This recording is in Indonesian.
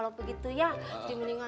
bawa motornya bener dong